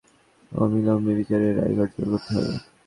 তাই তাঁকে দেশে ফিরিয়ে এনে অবিলম্বে বিচারের রায় কার্যকর করতে হবে।